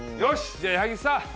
じゃ矢作さ